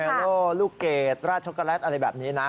โลลูกเกดราชช็กโกแลตอะไรแบบนี้นะ